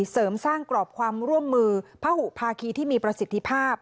เสริมสร้างกรอบความร่วมมือพระหุภาคีที่มีประสิทธิภาพ